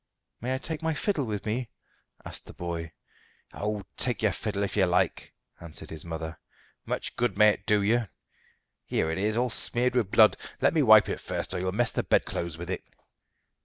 "May I take my fiddle with me?" asked the boy. "Oh, take your fiddle if you like," answered his mother. "Much good may it do you. Here, it is all smeared wi' blood. Let me wipe it first, or you'll mess the bedclothes with it.